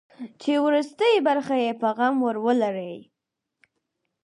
چې وروستۍ برخه یې په غم ور ولړي.